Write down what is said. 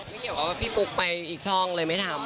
ไม่เกี่ยวกับพี่ปุ๊กไว้อีกช่องเลยไม่ทำ